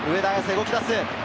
動きだす。